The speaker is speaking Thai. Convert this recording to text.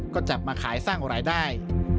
ก็จับมาขายสร้างรายได้